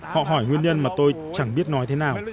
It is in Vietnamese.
họ hỏi nguyên nhân mà tôi chẳng biết nói thế nào